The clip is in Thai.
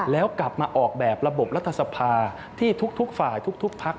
แล้วกลับมาออกแบบระบบรัฐสภาที่ทุกฝ่ายทุกพัก